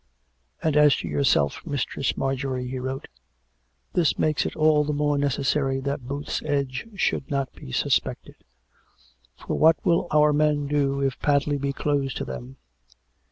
"And as to yourself, Mistress Marjorie," he wrote, " this makes it all the more necessary that Booth's Edge should not be suspected; for what will our men do if Padley be closed to them.''